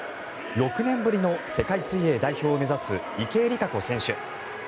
６年ぶりの世界水泳代表を目指す池江璃花子選手。